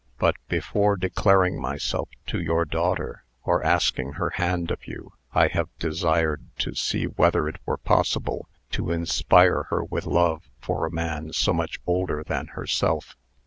But, before declaring myself to your daughter, or asking her hand of you, I have desired to see whether it were possible to inspire her with love for a man so much older than herself.